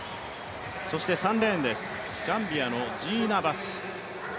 そして３レーンです、ガンビアのジーナ・バス。